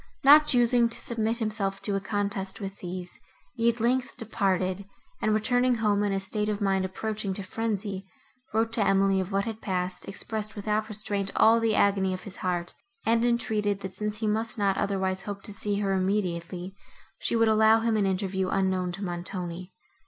Not choosing to submit himself to a contest with these, he, at length, departed, and, returning home in a state of mind approaching to frenzy, wrote to Emily of what had passed, expressed without restraint all the agony of his heart, and entreated, that, since he must not otherwise hope to see her immediately, she would allow him an interview unknown to Montoni.